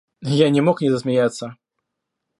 Я не мог не засмеяться.